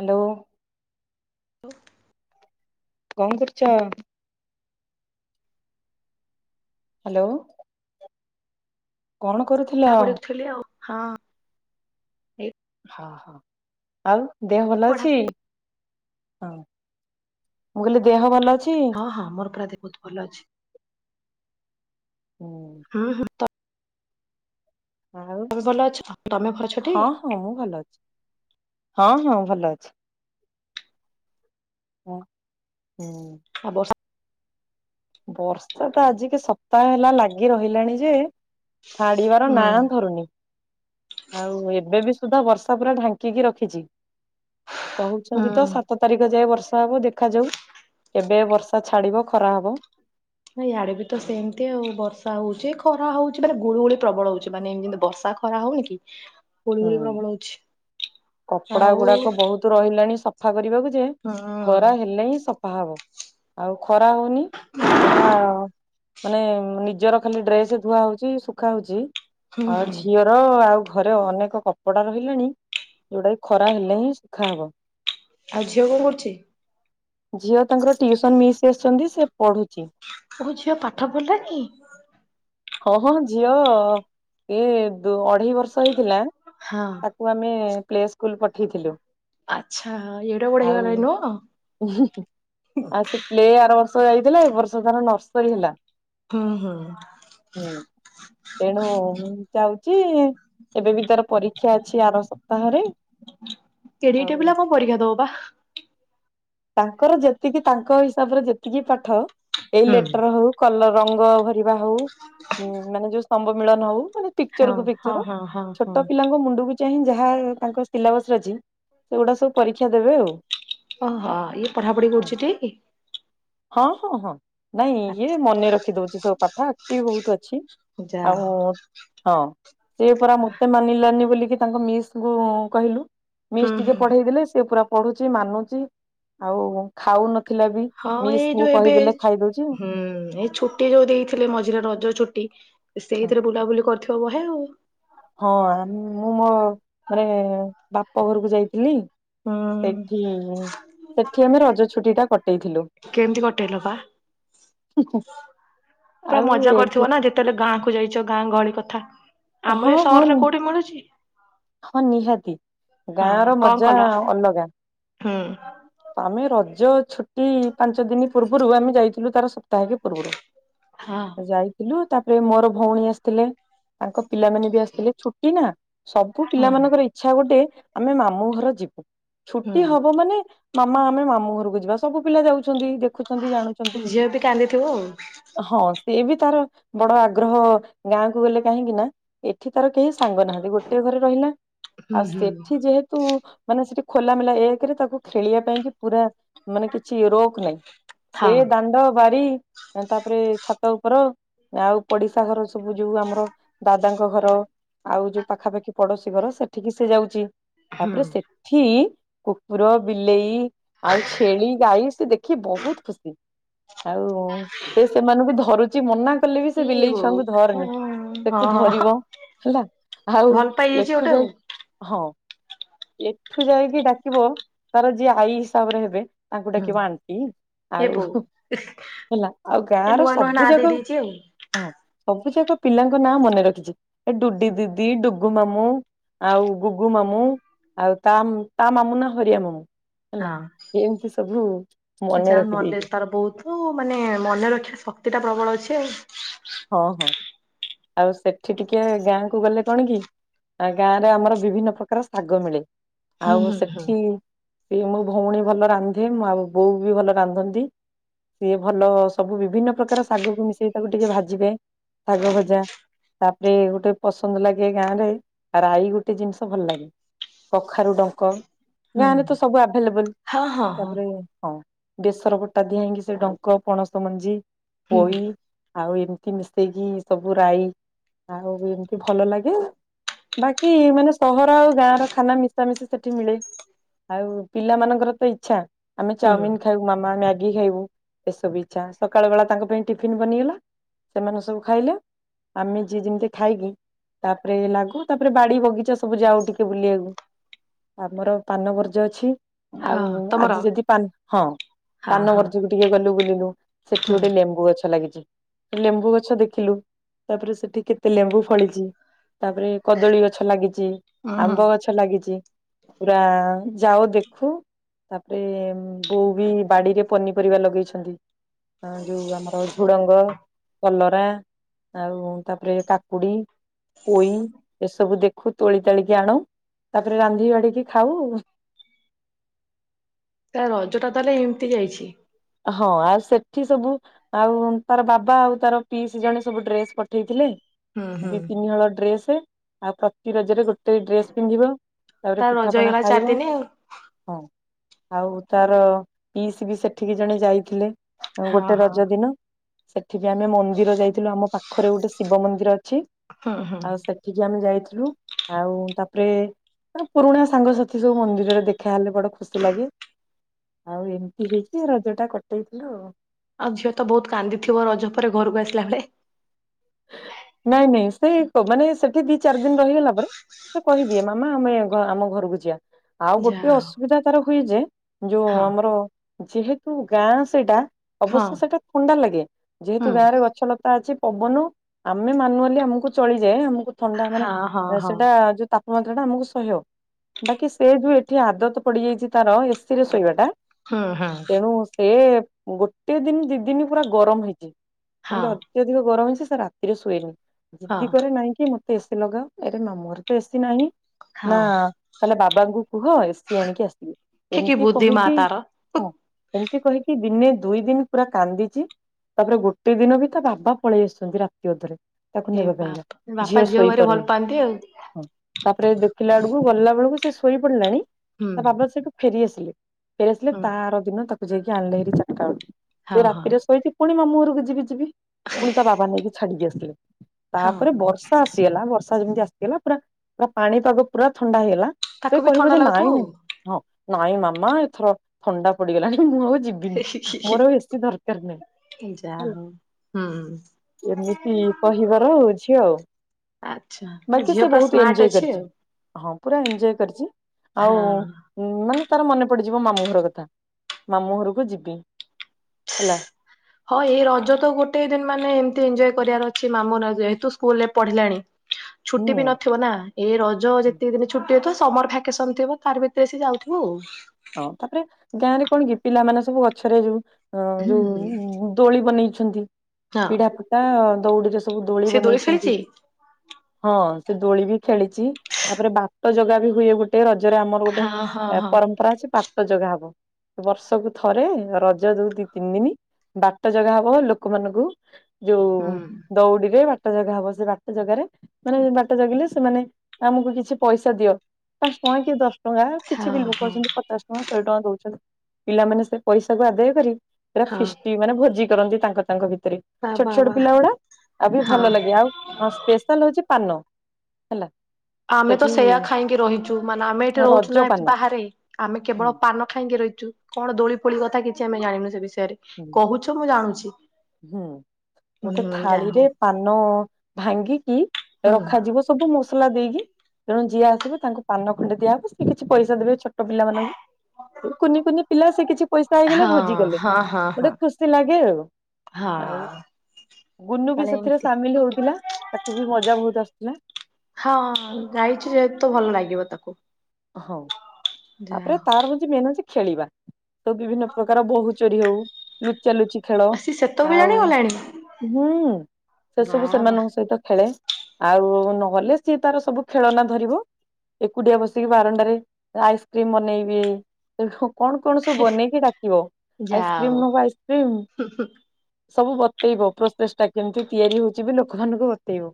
Hello. ଲୋ। କଣ କରୁଛ? ହାଲୋ। କରୁଥିଲ [unintelligible] ଥିଲି ଆଉ ହଁ। ଏଇ ହ ହ ଆଉ ଦେହ ଭଲ ଅଛି? ପଢାପଢି ହଁ ମୁଁ କହିଲି ଦେହ ଭଲ ଅଛି? ହଁ ମୋର ପୁରା ଦେହ ବୋହୁତ୍ ଭଲ ଅଛି। ହୁଁ। ହୁଁ ହୁଁ ତା ଆଉ ତମେ ଭଲ ଅଛ ତମେ ଛଟି। ହଁ ହଁ ମୁଁ ଭଲ ଅଛି ହଁ ହଁ ଭଲ ଅଛି। ହଁ ହୁଁ। ହବ ସ ବର୍ଷା ତ ଆଜିକ ସପ୍ତାହ ହେଲା ଲାଗି ରହିଲାଣି ଯେ। ଛାଡିବାର ହୁଁ ନାଁ ଧରୁନି। ଆଉ ଏବେ ବି ସୁଦ୍ଧା ବର୍ଷା ପୁରା ଢାଙ୍କିକି ରଖିଛି କହୁଛନ୍ତି ତ ସାତ। ତାରିଖ ଯାଏ ବର୍ଷା ହବ ଦେଖାଯାଉ କେବେ ଏ ବର୍ଷା ଛାଡ଼ିବ ଖରା ହବ। ଇଆଡେ ବି ତ ସେମତି ଆଉ ବର୍ଷା ହଉଛି ଖରା ହଉଛି ମାନେ ଗୁଳୁଗୁଳି ପ୍ରବଳ ହଉଛି ମାନେ ଏମନ୍ତି ବର୍ଷା ଖରା ହଉନି କି? ଗୁଳୁଗୁଳି ହୁଁ ପ୍ରବଳ ହଉଛି କପଡା ଆଉ ହୁଁ ଗୁଡାକ ବହୁତ। ତୁ ରହିଲାଣି ସଫା କରିବାକୁ ଯେ ଖରା ହେଲେ ହିଁ ସଫା ହବ। ଆଉ ଖରା ହଉନି ଯାହା। ମାନେ ନିଜର ଖାଲି ଡ୍ରେସ ଧୁଆ ହଉଛି ଶୁଖା ହଉଛି ହୁଁ ଆଉ ହୁଁ ଝିଅ। ର ଆଉ ଘରେ ଅନେକ୍ ଏକ କପଡା ରହିଲାଣି ଯୋଉଟା କି ଖରା ହେଲେ ହିଁ ଶୁଖାହେବ। ଆଉ ଝିଅ କଣ କରୁଛି? ଝିଅ ତାଙ୍କର ଟିୟୁସନ ମିସ୍ ଆସିଛନ୍ତି ସେ ପଢୁଛି। [unintelligible] ଝିଅ ପାଠ ପଢ଼ିଲାଣି। ହଁ ହଁ ଝିଅ ଏଇ ଦ ଅଢେଇ ବର୍ଷ ହେଇଥିଲା। ହଁ। ତାକୁ ଆମେ ପ୍ଲେ ସ୍କୁଲ ପଠେଇଥିଲୁ। ଆଚ୍ଛା ଏଡେ ବଡ ଆଉ ହେଇଗଲାଣି ନୁହଁ। ଆଉ ସେ ପ୍ଳେ ଆର ବର୍ଷ। [unintelligible] ଏ ବର୍ଷ ଧାର ନର୍ସରୀ ହେଲା। ହୁଁ ହୁଁ। ହୁଁ ତେଣୁ ମୁଁ ଚାହୁଛି ଏବେ ବି ତାର। ପରୀକ୍ଷା ଅଛି ଆର ସପ୍ତାହରେ ଆଉ। ପରିକ୍ଷା ଦବ ବା। ତାଙ୍କର ଯେତିକି ତାଙ୍କ ହିସାବରେ ଯେତିକି ପାଠ ଏଇ ହୁଁ ଲେଟର ହଉ କଲର ରଙ୍ଗ ହ କରିବା ହଉ ମାନେ ଯୋଉ ସମ୍ଭ ମିଳନ ହଉ ମାନେ ହଁ ପିକଚର କୁ ହଁ ପିକଚର ହଁ ହଁ ହଁ ଛୋଟ ପିଲାଙ୍କ ମୁଣ୍ଡକୁ ବି ଚାହିଁ ଯାହା ତାଙ୍କ ସିଲାବସ ଅଛି ସେଗୁଡ଼ା ସବୁ ପରୀକ୍ଷା ଦେବେ ଆଉ। ଓହୋ ଇଏ ପଢା ପଢି କରୁଛି ଟି। ହଁ ହଁ ହଁ ନାଇଁ ଇଏ ମନେ ରଖି ଦଉଛି ସବୁ ପାଠ। ବହୁତ ଅଛି ଯା ଆଉ। ହଉ ହଁ ସେ ପରା ମତେ ମାନିଲାନି ବୋଲିକି ତାଙ୍କ ମିସ୍ କହିଲୁ। ମିସ୍ ହୁଁ ଟିକେ ହୁଁ ପଢେଇ ଦେଲେ ସେ ପୁରା ପଢୁଛି ମାନୁଛି ଆଉ ଖାଉନ ଥିଲା ବି ହଁ ମିସ୍ ଏଇ କୁ ଯୋଉ ଏବେ କହିଦେଲେ ଖାଇଦଉଛି ଆ ହୁଁ ଏଇ ଛୁଟି ଯୋଉ ଦେଇଥିଲେ ମଝିରେ ରଜ ଛୁଟି ସେଇଥିରେ ବୁଲାବୁଲି କରିଥିବ ବହେ ଆଉ। ହଁ ମୁଁ ମୋ ମାନେ ବାପ ଘରକୁ ଯାଇଥିଲି। ହୁଁ ସେଠି ସେଠି ଆମେ ରଜ ଛୁଟିଟା କଟେଇଥିଲୁ। କେମିତି କଟେଇଲ ବା ପୁରା ଆଉ ମଜା ଏଠି କରିଥିବ ନା ଯେ ତେହେଲେ ଗାଁ କୁ ଯାଇଛ ଗାଁ ଗହଳି କଥା ହଁ ଆମର ଏ ହଁ ସହରରେ କୋଉଠି ମିଳୁଛି। ହଁ ନିହାତି ଗାଁ ହଁ ର କଣ ମଜା କଲ ଅଲଗା। ହୁଁ। ଆମେ ରଜ ଛୁଟି ପାଞ୍ଚ ଦିନ ପୂର୍ବରୁ ଆମେ ଯାଇଥିଲୁ ତାର ସ [unintelligible] ପୂର୍ବରୁ ହଁ ଯାଇ ଥିଲୁ ତାପରେ ମୋର ଭଉଣୀ ଆସିଥିଲେ ତାଙ୍କ ପିଲାମାନେ ବି ଆସିଥିଲେ ଛୁଟି ନା। ସବୁ ହୁଁ ପିଲାମାନଙ୍କର ଇଚ୍ଛା ଗୋଟେ ଆମେ ମାମୁଁ ଘର ଯିବୁ ଛୁଟି ହବ। ହୁଁ ମାନେ ମାମା ଆମେ ମାମୁଁ ଘରକୁ ଯିବା ସବୁ ପିଲା ଯାଉଛନ୍ତି ଦେଖୁଛନ୍ତି ଜାଣୁଛନ୍ତି। ଝିଅ ବି କାନ୍ଦିଥିବ ଆଉ ହଁ ସିଏ ବି ତାର ବଡ ଆଗ୍ରହ ଗାଁକୁ ଗଲେ କାହିଁକି ନା ଏଠି ତାର କେହି ସାଙ୍ଗ ନାହାନ୍ତ ଗୋଟେ ଘରେ ରହିଲା ହୁଁ ଆଉ ହୁଁ ସେଠି ଯେହେତୁ ମାନେ ସେଠି ଖୋଲା ମେଲା ଏକ ଥିରେ ତାକୁ ଖେଳିବା ପାଇଁ କି ପୁରା ମାନେ କିଛି ରୋକ ନାହିଁ। ସେ ହଁ ଦାଣ୍ଡ, ବାରି ତାପରେ ଛାତ ଉପର ଆଉ ପଡିଶା ଘର ସବୁ ଯୋଉ ଆମର ଦାଦାଙ୍କ ଘର ଆଉ ଯୋଉ ପାଖାପାଖି ପଡୋଶୀ ଘର ସେଠିକି ସେ ଯାଉଛି ହୁଁ ତାପରେ ସେଠି କୁକୁର ବିଲେଇ ଆଉ ଛେଳି ଗାଈ ସେ ଦେଖି ବହୁତ ଖୁସି। ଆଉ ସେ ସେମାନଙ୍କୁ ଧରୁ ଛି ମନା କଲେ ବି ସେ ଏ ବିଲେଇ ବୋଉ ଛୁଆଙ୍କୁ ହଁ ଧରନି ତାକୁ ହଁ ଧରିବ ହେଲା ଆଉ ଭଲ ପାଇଯାଇଛି ଏଠୁ ଗୋଟେ ଯାଇ ଆଉ ହଁ ଏଠୁ ଯାଇକି ଡାକିବ ତାର ଯିଏ ଆଈ ହିସାବରେ ହେବେ ତାଙ୍କୁ ହୁଁ ଡାକିବ ଆଣ୍ଟି ଏ ଆଉ ବୋଉ ହେଲା ଆଉ ଗାଁ ଏ ର ନୂଆ ନୂଆ ନାଁ ସବୁ ଦେଇ ଜାଗାକୁ ଦେଇଛି ହଁ ସବୁ ଯାକ ପିଲାଙ୍କ ନାଁ ମନେ ରଖିଛି। ଏ ଡୁଡି ଦିଦି ଡୁଗ ଗୁ ମାମୁଁ, ଆଉ ଗୁଗୁ ମାମୁଁ, ଆଉ ତା ତା ମାମୁଁ ନା ହରିଆ ମାମୁଁ। ହେଲା ଆଉ। ଏମିତି ସବୁ ମନେ ରଖିଦେଇଛି। ହଉ ମାନେ ମନେ ରଖିବା ଶକ୍ତି ଟା ପ୍ରବଳ ଅଛି ଆଉ। ହଁ ହଁ ଆଉ ସେଠି ଟିକେ ଗାଁ କୁ ଗଲେ କଣ କି ଆ ଗାଁ ରେ ଆମର ବିଭିନ୍ନ ପ୍ରକାର ଶାଗ ମିଳେ। ହୁଁ ଆଉ ହୁଁ ହୁଁ ସେଠି ସେ ମୋ ଭଉଣୀ ଭଲ ରାନ୍ଧେଁ ଆଉ ବୋଉ ବି ଭଲ ରାନ୍ଧନ୍ତି। ସିଏ ଭଲ ସବୁ ବିଭିନ୍ନ ପ୍ରକାର ଶାଗକୁ ମିଶେଇ ତାକୁ ଟିକେ ଭାଜିିବେ। ଶାଗ ଭଜା ତାପରେ ଗୋଟେ ପସନ୍ଦ ଲାଗେ ଗାଁ ରେ ରାଈ ଗୋଟେ ଜିନିଷ ଭଲ ଲାଗେ। କଖାରୁ ଡଙ୍କ ହୁଁ ଗାଁ ରେତ ସବୁ ଆଭେଲେବଲ ହଁ ହଁ ହଁ ତାପରେ ହଁ। ବେସର ପଟା ଦିଆ ହେଇକି ସେ ଡଙ୍କ ପଣସ ମଞ୍ଜି, ହୁଁ ପୋଇ ଆଉ ଏମ କି ମିଶେଇକି ସବୁ ରାଇ ଆଉ ଏମିତି ଭଲ ଲାଗେ। ବାକି ମାନେ ସହର ଆଉ ଗାଁ ର ଖାନା ମିଶାମିସି ସେଠି ମିଳେ। ଆଉ ପିଲାମାନଙ୍କର ତ ଇଚ୍ଛା ଆମେ ହୁଁ ଚାଉମିନ ଖାଇବୁ ମାମା ମ୍ୟାଗି ଖାଇବୁ ଏସବୁ ଇଚ୍ଛା ସକାଳ ବେଳା ତାଙ୍କ ପାଇଁ ଟିଫିନ ବନିଗଲା ସେମାନେ ସବୁ ଖାଇଲ। ଆମେ ଯିଏ ଯେମିତି ଖାଇକି ତାପରେ ଲାଗୁ ତାପରେ ବାଡି ବଗିଚା ସବୁ ଯାଉ ଟିକେ ବୁଲିବାକୁ। ଆମର ପାନ ବର୍ଜ୍ୟ ଅଛି ହଁ ଆଉ ତମର ଆଜି ଯଦି ପାନ ହଁ ହଁ ପାନ ହଁ ଗର୍ଜକୁ ଟିକେ ଗଲୁ ବୁଲିଲୁ ସେଠି ହୁଁ। ଗୋଟେ ଲେମ୍ବୁ ଗଛ ଲାଗିଛି। ଲେମ୍ବୁ ଗଛ ଦେଖିଲୁ ତାପରେ ସେଠି କେତେ ଲେମ୍ବୁ ଫଳିଛି। ତାପରେ କଦଳୀ ଗଛ ଲାଗିଛି ଉଁ ହୁଁ। ଆମ୍ବ ଗଛ ଲାଗିଛି। ପୁରା ଯାଉ ଦେଖୁ ତାପରେ ବୋଉ ବି ବାଡିରେ ପନିପରିବା ଲଗେଇଛନ୍ତି। ଆ ଯୋଉ ଆମର ଝୁଡଙ୍ଗ କଲରା ଆଉ ତାପରେ କାକୁଡି ପୋଇ ଏସବୁ ଦେଖ ଖୁ ତୋଳି ତାଳିକି ଆଣୁ ତାପରେ ରାନ୍ଧି ବାଢିକି ଖାଉ। ତା ରଜ ଟା ତାହେଲେ ଏମିତି ଯାଇଛି? ହଁ ଆଉ ସେଠି ସବୁ ଆଉ ତାର ବାବା ଆଉ ତାର ପିଇସି ଜଣେ ସବୁ ଡ୍ରେସ ପଠେଇଥିଲେ ହୁଁ ହୁଁ ଦି ତିନିହଳ ଡ୍ରେସ ଆଉ ପ୍ରତି ରଜରେ ଗୋଟେ ଡ୍ରେସ ପିନ୍ଧିବ ତାପରେ ତା ରଜ ପିଠାପଣା ହେଇଗଲା ଚାରି ଖାଇବ ଦିନି ଆଉ। ହଁ ଆଉ ତାର ପିଇସ ବି ସେଠିକି ଜଣେ ଯାଇଥିଲେ। ହଁ ଗୋଟେ ହଁ ରଜ ଦିନ ସେଠି ବି ଆମେ ମନ୍ଦିର ଯାଇଥିଲୁ ଆମ ପାଖ ଖରେ ଗୋଟେ ଶିବ ମନ୍ଦିର ଅଛି। ହୁଁ ହୁଁ ଆଉ ସେ ଠିକି ଆମେ ଯାଇଥିଲୁ ଆଉ ତାପରେ ଆ ପୁରୁଣା ସାଙ୍ଗସାଥି ସବୁ ମନ୍ଦିରରେ ଦେଖା ହେଲେ ବଡ ଖୁସି ଲାଗେ। ଆଉ ଏମିତି ହେଇଛି ରଜ ଟା କଟେଇଥିଲୁ ଆଉ ଆଉ ଝିଅ ତ ବହୁତ କାନ୍ଦିଥିବ ରଜ ପରେ ଘରକୁ ଆସିଲା ବେଳେ ନାଇଁ ନାଇଁ ସେ ମାନେ ସେଠି ଦି ଚାରି ଦିନ ରହିଗଲା ପରେ ସେ କହିଦିଏ ମାମା ଆମେ ଆମ ଘରକୁ ଯିବା ଆଉ ଗୋଟେ ଯାହା ଅସୁବିଧା ତାର ହୁଏ ଯେ ଯୋଉ ହଉ ଆମର ଯେହେତୁ ଗାଁ ସେଟା ହଁ ଅବଶ୍ୟ ସେଇଟା ଥଣ୍ଡା ଲାଗେ ହଁ ହୁଁ ଯେହେତୁ ଗାଁରେ ଗଛ ଲତା ଅଛି ପବନ ଆମେ ମାନୁଆଲି ଆମକୁ ଚଳିଯାଏ ଆମକୁ ଥଣ୍ଡା ମାନେ ହଁ ହଁ ହଁ ସେଇଟା ଯୋଉ ମାତ୍ର ଟା ଆମକୁ ସହ୍ୟ ବାକି ସେ ଯୋଉ ଏଠି ଆଦତ ପଡିଯାଇଛି ତାର ଏସି ରେ ଶୋଇବା ଟା ହୁଁ ହୁଁ ତେଣୁ ସେ ଗୋ ଗୋଟେ ଦିନ ଦି ଦିନ ପୁରା ଗରମ ହେଇଛି ହଁ। ଯେମିତି ଅତ୍ୟ ଧିକ ଗରମ ହେଇଛି ସେ ରାତିରେ ଶୁଏନି। ଜିଦି ହଁ କରେ ନାଇଁ କିି ମତେ ଏସି ଲଗାଅ ଏରେ ମାମୁଁ ଘରେ ତ ଏସିି ନାହିଁ। ହଁ ନା ତାହେଲେ ବାବାଙ୍କୁ କୁହ ଏସିି ଆଣିକି ଆସିବେ। ଠିକି ଏମିତି ବୁଦ୍ଧି ମା କହିକି ତାର ହଁ ଏମିତି କହିକି ଦିନେ ଦୁଇ ଦିନ ପୁରା କାନ୍ଦିଛି ତାପରେ ଗୋଟେ ଦିନ ବି ତା ବାବା ପଳେଇ ଆସିଛନ୍ତି ରାତି ଅଧରେ। ତାକୁ ଏ ନେବା ପାଇଁ ବାପା ବାପା ଝିଅ ଝିଅକୁ ଭାରି ଶୋଇପାରୁନି। ଭଲ ପାଆନ୍ତି ଆଉ ତାପରେ ଦେଖିଲା ବେଳକୁ ଗଲା ବେଳକୁ ସେ ଶୋଇ ପଡିଲାନି ହୁଁ ତା ବାବା ସେଠୁ ଫେରି ଆସିଲେ ଫେରିଆସିଲେ ହୁଁ ତାରର ଦିନ ତାକୁ ଯାଇକି ଆଣିଲେ ହେରି ଚାରିଟା ବେଳକୁ ହଁ ସେ ହଁ ରାତିରେ ଶୋଇ ପୁଣି ମାମୁଁ ଘରକୁ ଯିବି ଯିବି ପୁଣି ତା ବାବା ନେଇକି ଛାଡିକି ଆସିଲେ ହଁ ତାପରେ ବର୍ଷେ ଆସିଗଲା ବର୍ଷା ଯେମିତି ଆସିଗଲା ପୁରା ପୁରା ପାଣି ପାଗ ପୁରା ଥଣ୍ଡା ହେଇଗଲା ସେ ତାକୁ ବି କହିବ ଥଣ୍ଡା ଯେ ନାଇଁ ଲାଗୁଥିବ ନାଇଁ ହଁ ନାଇଁ ମାମା ଏଥର ଥଣ୍ଡା ପଡିଗଲାଣି ମୁଁ ଆଉ ଯିବି ମୋର ଆଉ ଏେଶି ଦରକାର ନାହିଁ ହେଲା ହଁ ଏମିତି କହିବାର ହଉଛି ଆଉ ଆଚ୍ଛା ବାକି ଝିଅ ସେ ପୁରା ବହୁତ ସ୍ମାର୍ଟ ଏଞଜୟ ଅଛି କରିଛି ଆଉ ହଁ ପୁରା ଏଜୟ କରିଛି ହଁ ଉଁ ମାନେ ତାର ମନେ ପଡିଯିବ ମାମୁଁ ଘର କଥା ମାମୁଁ ଘରକୁ ଯିବି ହେଲା ହଁ ଏଇ ରଜ ତ ଗୋଟେ ଦିନ ମାନେ ଏମତି ଏଞଜୟ କରିବାର ଅଛି ମାମଁ ରଜ ଏତୁ ସ୍କୁଲ ରେ ପଢିଲାଣି ହୁଁ ଛୁଟି ବି ନଥିବ ନା ଏଇ ରଜ ଯେତିକି ଦିନ ଛୁଟି ଅଥିବ ସମର ଭାକେସନ ଥିବ ତାର ଭିତରେ ସି ଯାଉଥିବ ଆଉ ହଁ ତାପରେ ଗାଁ ରେ କଣ କି ପିଲା ମାନେ ସବୁ ଗଛରେ ଯୋଉ ଅ ହୁଁ ଯୋଉ ଦୋଳି ବନେଇଛନ୍ତି ହଁ ପିଢା ଫୁଟା ଦଉଡିରେ ସବୁ ଦୋଳି ସେ ବନେଇଛନ୍ତି ଖେଳିଛି ହଁ ସେ ଦୋଳି ବି ଖେଳିଛି ତାପରେ ବା ପାଟ ଯୋଗା ବି ହୁଏ ଗୋଟେ ରଜରେ ଆମର ଗୋଟେ ହଁ ହଁ ହଁ ପରମ୍ପରା ଅଛି ପାଟ ଯୋଗା ହବ ବର୍ଷକୁ ଥରେ ରଜ ଦୋଉ ଦି ତିନି ଦିନ ବାଟ ଯାଗା ହବ ଲୋକମାନାନଙ୍କୁ ଯୋଉ ହୁଁ ଦଉଡିରେ ବାଟ ଜାଗା ହବ ସେ ବାଟ ଜାଗାରେ ମାନେ ବାଟା ଜଗିଲେ ସେମାନେ ଆମକୁ କିଛି ପଇସା ଦିଅ ପାଞ୍ଚ ଟଙ୍କା କି ଦଶ ଟଙ୍କା ଟଙ୍କା କିଛି ହଁ ବି ଲୋକ ହଁ ଅଛନ୍ତି ପଚାଶ ଟଙ୍କା ଶହେ ଟଙ୍କା ଦଉଛନ୍ତି ପିଲାମାନୋନ ସେ ପଇସାକୁ ଆଦାୟ କରି ପୁରା ହଁ ଫିଷ୍ ମାନେ ଭୋଜି କରନ୍ତି ତାଙ୍କ ତାଙ୍କ ଭିତରେ ବା ଛୋଟ ବା ଛୋଟ ବା ପିଲା ଗୁଡା ଆଉ ବି ହଁ ଭଲ ଲାଗେ ଆଉ ହଁ ସ୍ପେଶାଲ ହଉଛି ପାନ ହେଲା ଆମେ ତ ସେଠି ସେୟା ଖାଇକି ରହିଛୁ ମାନେ ଆମେ ଏଠି ରହୁଛୁ ରଜ ନା ଏ ପାନ ବାହାରେ ଆମେ ହୁଁ କେବଳ ପାନ ାଇଁକି ରହିଛୁ କଣ ଦୋଳି ପୋଳି କଥା କିଛି ଆମେ ଜାଣିନୁ ସେ ବିଷୟରେ ହୁଁ କହୁଛ ମୁଁ ଜାଣୁଛି ହୁଁ ଗୋଟେ ହୁଁ ଯାହା ଥାଳିରେ ହଉ ପାନ ଭାଙ୍ଗିକି ହୁଁ ରଖାଯିବ ସବୁ ମସଲା ଦେଇକି ତେଣୁ ଯିଆ ଆସିବ ତାଙ୍କୁ ପାନ ଖଣ୍ଡେ ଦିଆହବ ସେ କିଛି ପଇସା ଦେବେ ଛୋଟ ପିଲାମାନାନଙ୍କୁ କୁନି କୁନି ପିଲା ସେ କିଛି ପଇସା ହେଇଗଲେ ହଁ ଭୋଜିଗଲେ ହଁ ହଁ ଗୋଟେ ହଁ ଖୁସି ଲାଗେ ଆଉ ଆଉ ହଁ ଗୁନୁ ବି ତାହେଲେ ସେଥିରେ ଏମିତି ସାମିଲ ହଉଥିଲା ତାକୁ ବି ମଜା ବହୁତ ଆସୁଛି ନା ହଁ ଗାଇଛି ଯେହେତୁ ଭଲ ଲାଗିବ ତାକୁ ହଁ ଯାହା ତାପରେ ହଉ ତାର ହଉଛି ମେନ୍ ଅଛି ଖେଳିବା ତ ବିଭିନ୍ନ ପ୍ରକାର ବୋହୁୂ ଚୋରି ହଉ ଲୁଚ ଲୁଚି ଖେଳ ଆ ସେ ସେତେବେଳେ ଆଉ। ଜାଣିଗଲାଣି ହୁଁ ବା ସେସବୁ ବା ସେମାନଙ୍କ ସହିତ ଖେଳେ। ଆଉ ନହେଲେ ସିଏ ତାର ସବୁ ଖେଳନା ଧରିବ ଏକୁଟିଆ ବସି କି ବାରଣ୍ଡାରେ ଆଇସ୍କ୍ରିମ ବନେଇବି ସେ କଣ କଣ ସବୁ ବନେଇକି ଡାକିବ ଯାହା ହଉ ଆଇସ୍କ୍ରିମ ନବ ଆଇସ୍କ୍ରିମ। ସବୁ ବତେଇବ ପ୍ରୋସେସ ଟା କେମିତି ତିଆରି ହଉଛି ବି ଲୋକମାନଙ୍କୁ ବତେଇବ।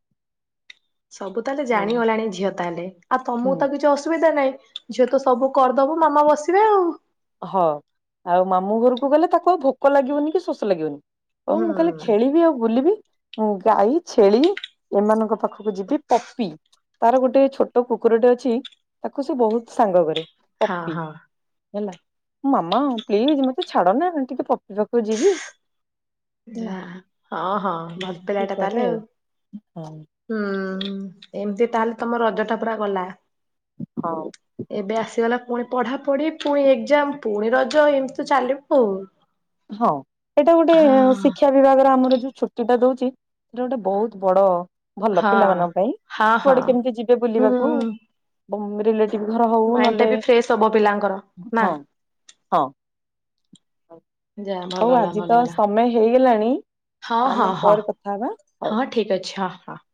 ସବୁ ତାହେଲେ ଆଉ ଜାଣିଗଲାଣି ଝିଅ ତାହେଲେ ଆଉ ତମକୁ ହୁଁ। ତ କିଛି ଅସୁବିଧା ନହିଁ। ଝିଅ ତ ସବୁ କରିଦବ ମାମା ବସିବେ ଆଉ। ହ ଆଉ ମାମୁଁ ଘରକୁ ଗଲେ ତାକୁ ଆଉ ଭୋକ ଲାଗିବନି କି ଶୋଷ ଲାଗିବନି। ହଉ ହୁଁ ମୁଁ ଖାଲି ଖେଳିବି ଆଉ ବୁଲିବି। ମୁଁ ଗାଈ ଛେଳି ଏମାନଙ୍କ ପାଖକୁ ଯିବି ପପି। ତାର ଗୋଟେ ଛୋଟ କୁକୁରଟେ ଅଛି ତାକୁ ସେ ବହୁତ ସାଙ୍ଗ କରେ। ହଁ ପପି ହଁ। ହେଲା। ମାମା ପ୍ଲିଜ ମତେ ଛାଡ ନା ଟିକେ ପପି ପାଖକୁ ଯିବି। ହେଲା। ଯା ହଁ ହଁ ଭଲ ଏମିତି ପିଲାଟା କରେ ତାହେଲେ ଆଉ। ଆଉ ହୁଁ ଏମିତି ତାହେଲେ ତମ ରଜଟା ପୁରା ଗଲା। ହଁ। ଏବେ ଆସିଗଲା ପୁଣି ପଢାପଢି ପୁଣି ଏକ୍ସାମ୍ ପୁଣି ରଜ ଏମିତି ତ ଚାଲିବ ଆଉ। ହଁ ଏଇଟା ଗୋଟେ ହଁ ଶିକ୍ଷା ବିଭାଗର ଆମର ଯୋଉ ଛୋ ଟା ଦଉଛି ସେଟା ଗୋଟେ ବହୁତ ବଡ। ଭଲ ହଁ ପିଲାମାନଙ୍କ ପାଇଁ ହଁ ହଁ କୁଆଡେ କେମିତି ଯିବେ ବୁଲିବାକୁ ହୁଁ। ବଂ ରିଲେ ଟିଭି ଘର ହଉ ମାଇଣ୍ଡ ଟା ନହେଲେ ବି ଫ୍ରେଶ ହବ ପିଲାଙ୍କର ନା ହଁ ହଁ। ଜା ଭଲ ହଉ ହେଲା ଆଜି ଭଲ ତ ହେଲା ସମୟ ହେଇଗଲାଣି ହଁ ହଁ ଆମେ ହଁ। ପରେ କଥା ହବା ହଉ। ହଁ ଠିକ ଅଛି ହଁ ହଁ।